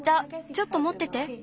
ちょっともってて。